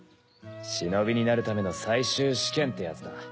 忍になるための最終試験ってやつだ。